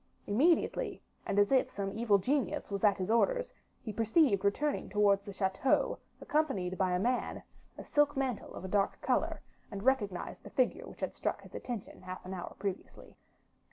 Immediately, and as if some evil genius was at his orders, he perceived returning towards the chateau, accompanied by a man, a silk mantle of a dark color, and recognized the figure which had struck his attention half an hour previously.